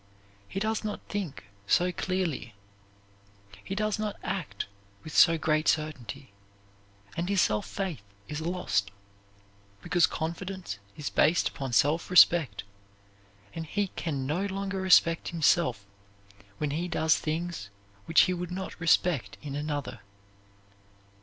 He does not think so clearly; he does not act with so great certainty, and his self faith is lost, because confidence is based upon self respect, and he can no longer respect himself when he does things which he would not respect in another.